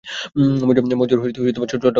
মনজুর চট্টগ্রামে জন্মগ্রহণ করেন।